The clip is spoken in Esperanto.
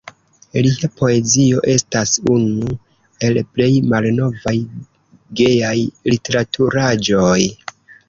Lia poezio estas unu el plej malnovaj gejaj literaturaĵoj.